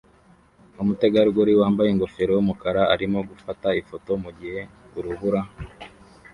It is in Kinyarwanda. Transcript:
Umutegarugori wambaye ingofero yumukara arimo gufata ifoto mugihe urubura